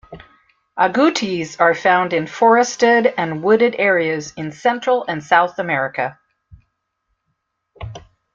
Agoutis are found in forested and wooded areas in Central and South America.